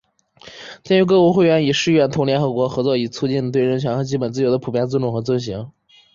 鉴于各会员国业已誓愿同联合国合作以促进对人权和基本自由的普遍尊重和遵行